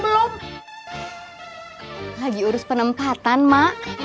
lagi urus penempatan ma